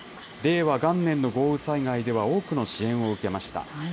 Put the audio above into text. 令和元年の豪雨災害では多くの支援を受けました。